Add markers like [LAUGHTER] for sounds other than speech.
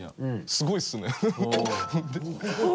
すごいですね [LAUGHS]